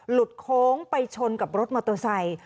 โค้งไปชนกับรถมอเตอร์ไซค์